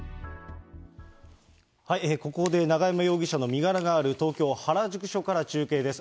ここで永山容疑者の身柄がある東京・原宿署から中継です。